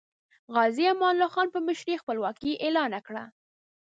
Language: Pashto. غازی امان الله خان په مشرۍ خپلواکي اعلان کړه.